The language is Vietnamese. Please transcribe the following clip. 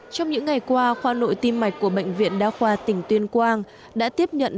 trong những ngày qua khoa nội tim mạch của bệnh viện đa khoa tỉnh tuyên quang đã tiếp nhận